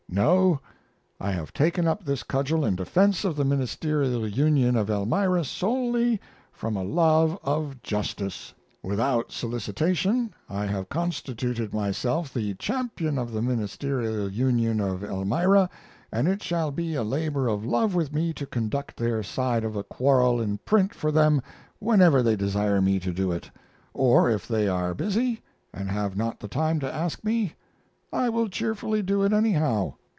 No, I have taken up this cudgel in defense of the Ministerial Union of Elmira solely from a love of justice. Without solicitation, I have constituted myself the champion of the Ministerial Union of Elmira, and it shall be a labor of love with me to conduct their side of a quarrel in print for them whenever they desire me to do it; or if they are busy, and have not the time to ask me, I will cheerfully do it anyhow.